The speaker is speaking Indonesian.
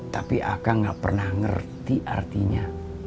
tapi aka gak pernah ngerti artinya